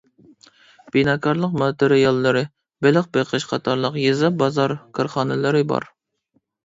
بىناكارلىق ماتېرىياللىرى، بېلىق بېقىش قاتارلىق يېزا-بازار كارخانىلىرى بار.